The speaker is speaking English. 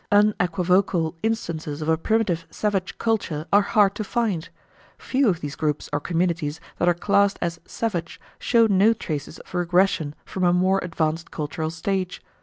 Unequivocal instances of a primitive savage culture are hard to find. Few of these groups or communities that are classed as "savage" show no traces of regression from a more advanced cultural stage.